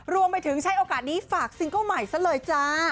รวมไปถึงใช้โอกาสนี้ฝากซิงเกิ้ลใหม่ซะเลยจ้า